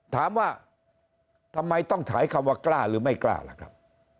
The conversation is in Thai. ถามว่าทำไมต้องถ่ายคำว่ากล้าหรือไม่กล้าล่ะครับ